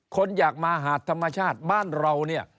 คนอยากมาหาธรรมชาติบ้านเรา